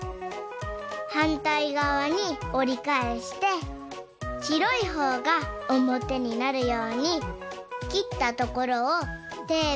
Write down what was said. はんたいがわにおりかえしてしろいほうがおもてになるようにきったところをテープでペトッ。